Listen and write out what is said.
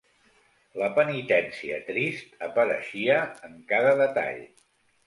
La penitència trist apareixia en cada detall.